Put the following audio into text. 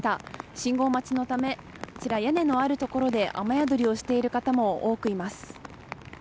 信号待ちのため屋根のあるところで雨宿りをしている方も多くいます。